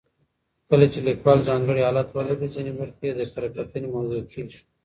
کله چې لیکوال ځانګړی حالت ولري، ځینې برخې یې د کره کتنې موضوع کیږي.